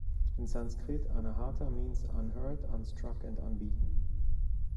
In Sanskrit, "anahata" means "unhurt, unstruck, and unbeaten".